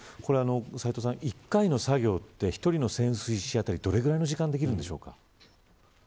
１回の作業は１人の潜水士あたり、どのぐらいの時間できるんでしょうか。